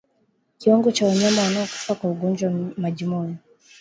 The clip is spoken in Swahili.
Kiwango cha wanyama wanaokufa kwa ugonjwa wa majimoyo